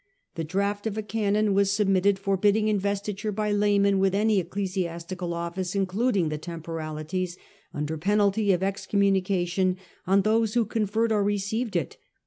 The draft of a canon was submitted forbidding investiture by laymen with any ecclesiastical oflBce including the temporalities, under penalty of excommunication on those who conferred or received it.